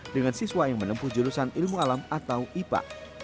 dengan siswa yang menempuh jurusan ilmu alam atau ipa